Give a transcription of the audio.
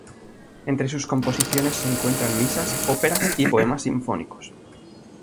Entre sus composiciones se encuentran misas, óperas y poemas sinfónicos.